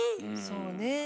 そうね。